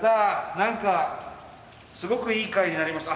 何かすごくいい回になりました。